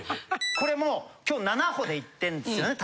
これも今日７歩でいってんですよね。